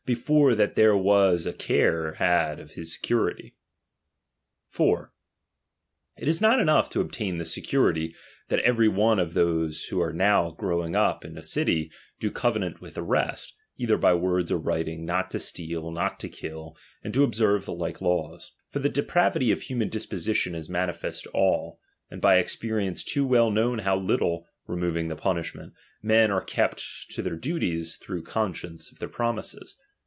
before that there was a care had of his security. '' 4. It is uot enough to obtain this security, that ThnucdB™™ every one of those who are now growing up into a *= city, do covenant with the rest, either by words or writing, noi to steal, not to kill, aud to observe the like laws ; for the pravity of human disposi tion is manifest to all, and by experience too well known how little (removing the punishment) men are kept to their duties through conscience of their promises.